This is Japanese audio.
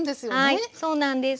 はいそうなんです。